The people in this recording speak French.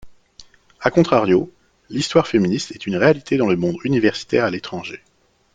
A contrario, l'histoire féministe est une réalité dans le monde universitaire à l'étranger.